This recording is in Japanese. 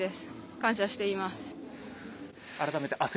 感謝しています。